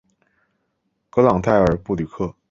格朗代尔布吕克。